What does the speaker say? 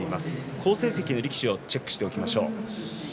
好成績の力士をチェックしておきましょう。